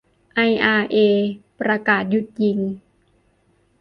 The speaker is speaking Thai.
ไออาร์เอประกาศหยุดยิง